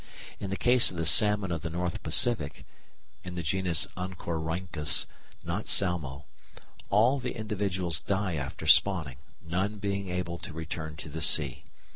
In the case of the salmon of the North Pacific (in the genus Oncorhynchus, not Salmo) all the individuals die after spawning, none being able to return to the sea.